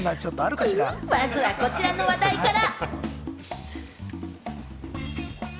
まずはこちらの話題から！